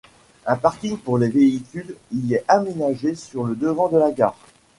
Un parking pour les véhicules y est aménagé sur le devant de la gare.